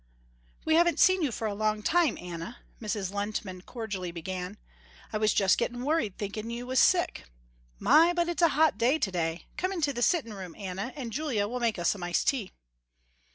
"We haven't seen you for a long time, Anna," Mrs. Lehntman cordially began. "I was just gettin' worried thinking you was sick. My! but it's a hot day to day. Come into the sittin' room, Anna, and Julia will make us some ice tea."